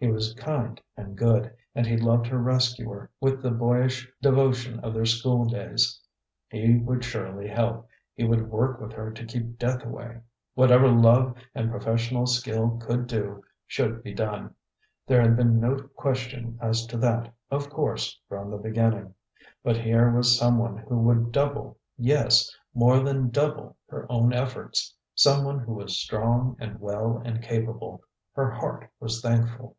He was kind and good, and he loved her rescuer with the boyish devotion of their school days. He would surely help; he would work with her to keep death away. Whatever love and professional skill could do, should be done; there had been no question as to that, of course, from the beginning. But here was some one who would double, yes, more than double her own efforts; some one who was strong and well and capable. Her heart was thankful.